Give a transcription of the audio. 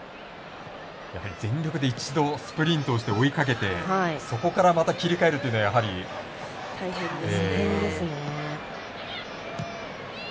全力で一度スプリントをして追いかけてそこからまた切り替えるというのは大変ですね。